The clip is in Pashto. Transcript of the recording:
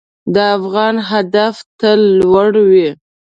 د افغان هدف تل لوړ وي.